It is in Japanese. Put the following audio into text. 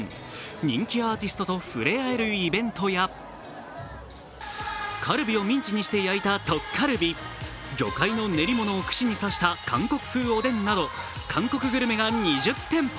人気アーティストと触れ合えるイベントやカルビをミンチにして焼いたトッカルビ、魚介の練り物を串に刺した韓国風おでんなど韓国グルメが２０店舗。